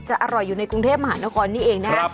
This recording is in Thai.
จะอร่อยอยู่ในกุ้งเทพมหานกรนี้เองนะฮะ